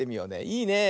いいねえ。